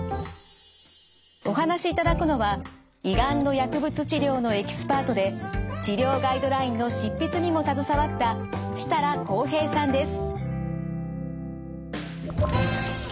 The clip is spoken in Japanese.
お話しいただくのは胃がんの薬物治療のエキスパートで治療ガイドラインの執筆にも携わった設樂紘平さんです。